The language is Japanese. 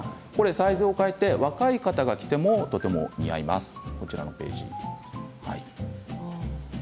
サイズを変えて若い方が着てもとても似合いますよ。